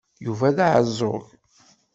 Yuba d aɛeẓẓug.